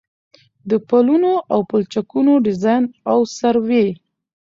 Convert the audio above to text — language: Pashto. د پلونو او پلچکونو ډيزاين او سروې